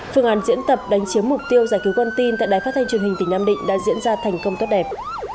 phương án diễn tập đánh chiếm mục tiêu giải cứu con tin tại đài phát thanh truyền hình tỉnh nam định đã diễn ra thành công tốt đẹp